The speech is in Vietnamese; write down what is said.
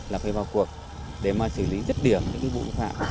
là phải vào cuộc để mà xử lý rất điểm những vụ vi phạm